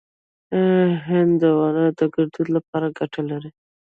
هندوانه د ګردو لپاره ګټه لري.